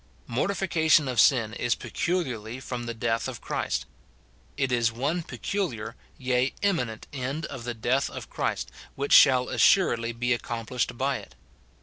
^Mortification of sin is peculiarly from the death of Christ. It is one peculiar, yea, eminent end of the (Jeath of Christ, which shall assuredly be accomplished by it.